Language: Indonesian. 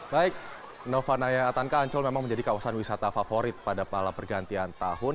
baik novanaya atanka ancel memang menjadi kawasan wisata favorit pada malam pergantian tahun